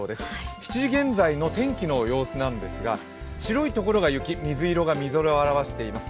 ７時現在の天気の様子なんですが白いところが雪、水色がみぞれを表しています。